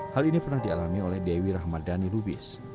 hal ini pernah dialami oleh dewi rahmadani lubis